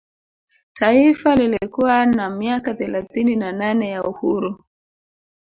Taifa lilikuwa na miaka thelathini na nane ya uhuru